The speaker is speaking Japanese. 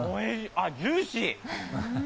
あっ、ジューシー！